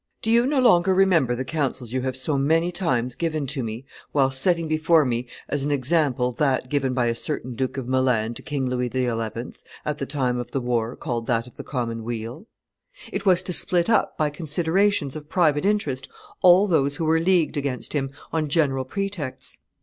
Do you no longer remember the counsels you have so many times given to me, whilst setting before me as an example that given by a certain Duke of Milan to King Louis XI., at the time of the war called that of the Common Weal? It was to split up by considerations of private interest all those who were leagued against him on general pretexts.